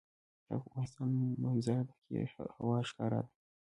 د افغانستان په منظره کې هوا ښکاره ده.